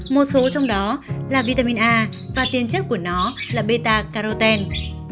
một số trong đó là vitamin a và tiên chất của nó là beta carotene